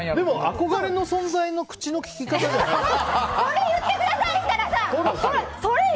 憧れの存在の口の利き方じゃないよね。